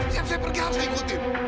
tiap saya pergi harus ikutin